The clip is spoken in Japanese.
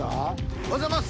おはようございます。